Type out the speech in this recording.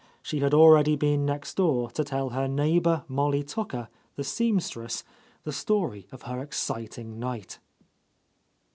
She had already been next door to tell her neigh bour Molly Tucker, the seamstress, the story of her exciting night.